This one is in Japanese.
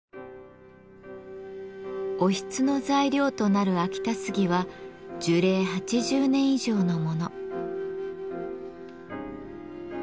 おひつの材料となる秋田杉は樹齢８０年以上のもの。